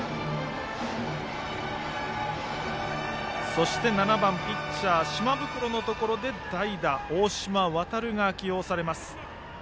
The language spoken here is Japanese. そして７番ピッチャー島袋のところで代打の大島渉が起用されます。